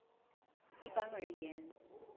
一般而言